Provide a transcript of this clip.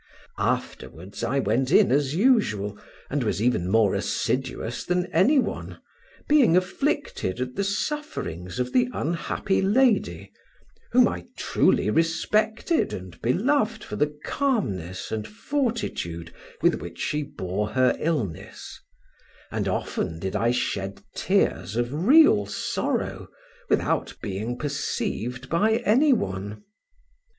Afterwards I went in as usual, and was even more assiduous than any one, being afflicted at the sufferings of the unhappy lady, whom I truly respected and beloved for the calmness and fortitude with which she bore her illness, and often did I shed tears of real sorrow without being perceived by any one.